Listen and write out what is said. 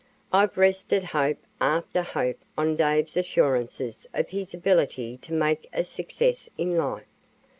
I've rested hope after hope on Dave's assurances of his ability to make a success in life.